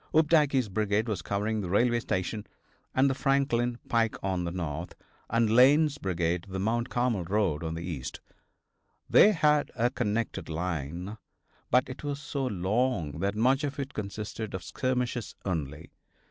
Opdycke's brigade was covering the railway station and the Franklin pike on the north, and Lane's brigade the Mount Carmel road on the east. They had a connected line, but it was so long that much of it consisted of skirmishers only.